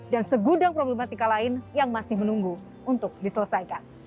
dan segudang problematika lain yang masih menunggu untuk diselesaikan